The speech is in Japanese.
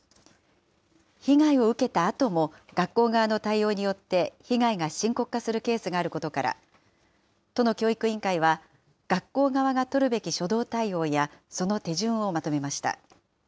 被害を受けたあとも学校側の対応によって被害が深刻化するケースがあることから、都の教育委員会は、学校側が取るべき初動対応やその手順をまとめました。